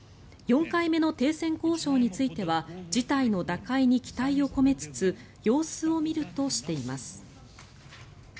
４回目の停戦交渉については事態の打開に期待を込めつつ様子を見るとしています。